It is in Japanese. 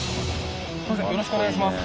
よろしくお願いします。